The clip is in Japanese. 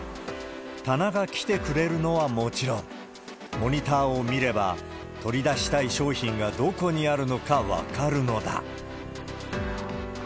棚が来てくれるのはもちろん、モニターを見れば、取り出したい商品がどこにあるのか分かるのだ。